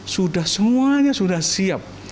semuanya sudah siap